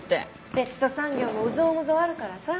ペット産業も有象無象あるからさ。